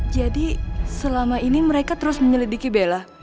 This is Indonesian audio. jadi selama ini mereka terus menyelidiki bella